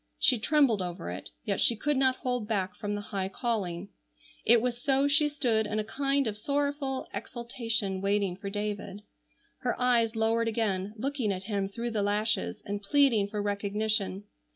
She trembled over it, yet she could not hold back from the high calling. It was so she stood in a kind of sorrowful exaltation waiting for David. Her eyes lowered again, looking at him through the lashes and pleading for recognition.